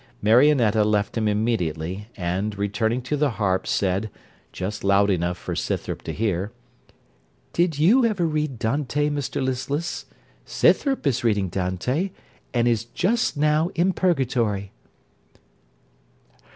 Marionetta left him immediately, and returning to the harp, said, just loud enough for Scythrop to hear 'Did you ever read Dante, Mr Listless? Scythrop is reading Dante, and is just now in Purgatory.'